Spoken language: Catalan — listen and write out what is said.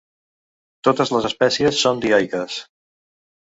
Totes les espècies són dioiques.